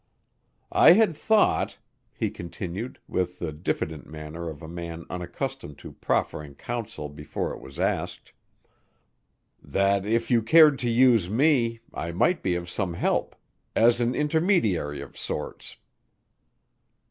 "I had thought," he continued, with the diffident manner of a man unaccustomed to proffering counsel before it was asked, "that, if you cared to use me, I might be of some help as an intermediary of sorts."